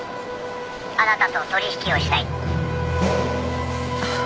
「あなたと取引をしたい」あえっ？